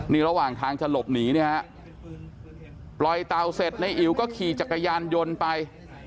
นี่ระหว่างทางจะหลบหนีเนี่ยฮะปล่อยเต่าเสร็จในอิ๋วก็ขี่จักรยานยนต์ไป